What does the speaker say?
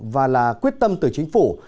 và là quyết tâm từ chính phủ